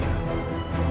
namun dengan satu syarat